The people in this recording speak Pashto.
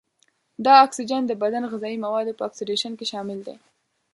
دا اکسیجن د بدن غذايي موادو په اکسیدیشن کې شامل دی.